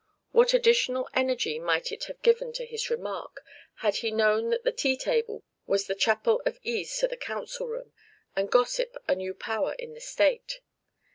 What additional energy might it have given to his remark, had he known that the tea table was the chapel of ease to the council room, and gossip a new power in the state.